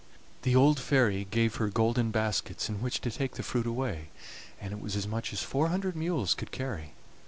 "The old fairy gave her golden baskets in which to take the fruit away, and it was as much as four hundred mules could carry.